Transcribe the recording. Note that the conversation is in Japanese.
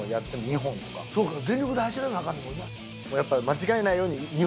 全力で走らなアカンねんもんな。